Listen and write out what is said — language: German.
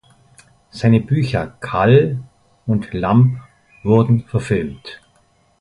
Seine Bücher "Cal" und "Lamb" wurden verfilmt.